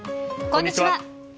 こんにちは。